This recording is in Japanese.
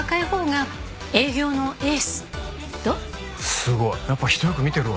すごい！やっぱ人よく見てるわ。